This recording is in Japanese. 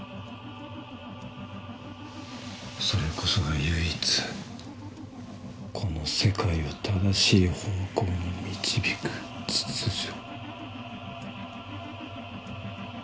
「それこそが唯一この世界を正しい方向に導く秩序」。